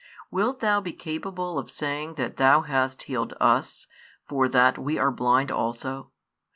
Wilt Thou be capable of saying that Thou hast healed us, for that we are blind also?